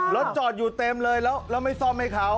รถจอดอยู่เต็มเลยแล้วไม่ซ่อมให้เขา